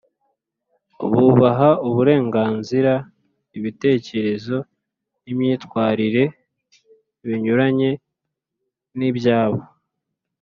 bubaha uburenganzira, ibitekerezo n’imyitwarire binyuranye n’ibyabo.